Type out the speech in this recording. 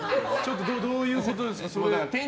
どういうことですか？